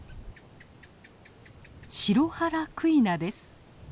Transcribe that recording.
シロハラクイナです。